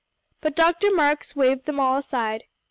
But Dr. Marks waved them all aside.